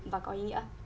và có ý nghĩa